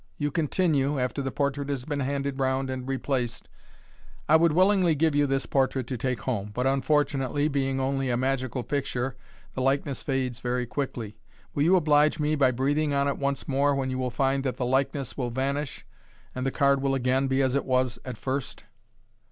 You continue, after the portrait has been handed round and replaced, " I would willingly give you this portrait to take home, but, unfortunately, being only a magical picture, the likeness fades very quickly. Will you oblige me by breathing on it once more, when you will find that the likeness will vanish, and the card will again be as it was at first."